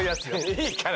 いいから。